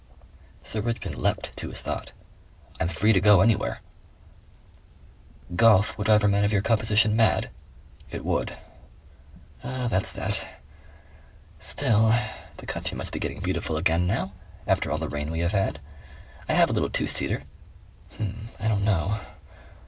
Sir Richmond leapt to his thought. "I'm free to go anywhere." "Golf would drive a man of your composition mad?" "It would." "That's that. Still . The country must be getting beautiful again now, after all the rain we have had. I have a little two seater. I don't know....